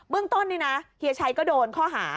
เรื่องต้นนี่นะเฮียชัยก็โดนข้อหา